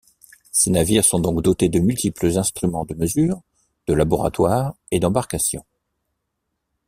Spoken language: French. Ces navires sont donc dotés de multiples instruments de mesure, de laboratoires, et d'embarcations.